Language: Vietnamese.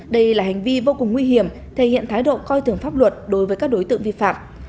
đây là hành vi vô cùng nguy hiểm thể hiện thái độ coi thường pháp luật đối với các đối tượng vi phạm